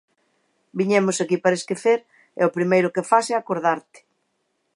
'Viñemos aquí para esquecer e o primeiro que fas é acordarte'.